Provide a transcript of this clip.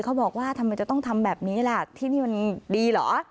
เขาบอกว่าทำไมจะต้องทำแบบนี้ล่ะที่นี่มันดีเหรอ